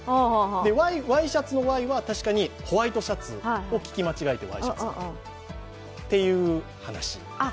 ＹシャツのＹは確かにホワイトシャツを聞き間違えてＹシャツ。っていう話？